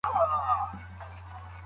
عبدالحميد ارغنداوى تنها حيات الله رفيقي